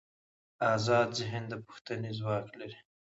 ازاد ذهن د پوښتنې ځواک لري.